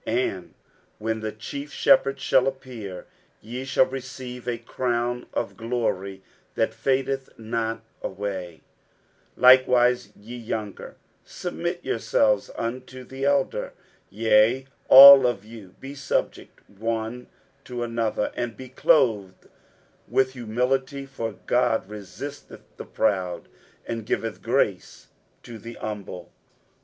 60:005:004 And when the chief Shepherd shall appear, ye shall receive a crown of glory that fadeth not away. 60:005:005 Likewise, ye younger, submit yourselves unto the elder. Yea, all of you be subject one to another, and be clothed with humility: for God resisteth the proud, and giveth grace to the humble.